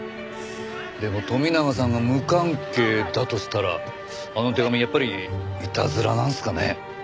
でも富永さんが無関係だとしたらあの手紙やっぱりいたずらなんですかね？